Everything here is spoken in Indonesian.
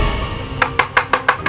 kau pasti mau maling